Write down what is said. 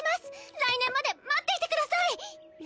来年まで待っていてください！